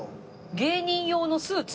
芸人用のスーツ？